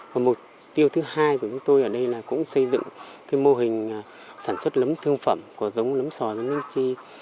và mục tiêu thứ hai của chúng tôi ở đây là cũng xây dựng cái mô hình sản xuất nấm thương phẩm của giống nấm sò nấm chi